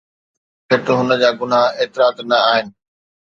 گهٽ ۾ گهٽ هن جا گناهه ايترا ته نه آهن.